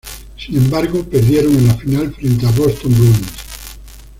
Sin embargo, perdieron en la final frente a Boston Bruins.